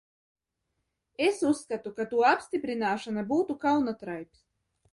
Es uzskatu, ka to apstiprināšana būtu kauna traips.